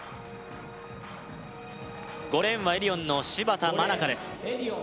５レーンはエディオンの芝田愛花です